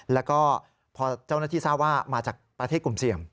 แล้วก็พอเจ้าหน้าที่ทราบว่ามาจากประเทศกลุ่มเสี่ยง